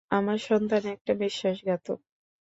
আমার সন্তান একটা বিশ্বাসঘাতক!